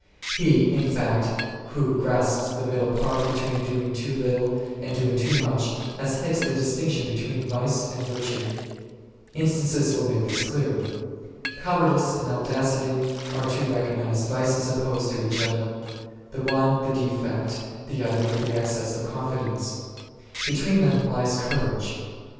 He, in fact, who grasps the middle point between doing too little and doing too much has hit the distinction between vice and virtue. Instances will make this clearer. Cowardice and audacity are two recognized vices opposed to each other; the one the defect, the other the excess of confidence ; between them lies courage.